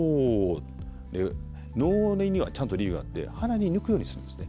「のー」には理由があって鼻に抜くようにするんです。